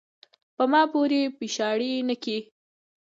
پۀ ما پورې پیشاړې نۀ کے ،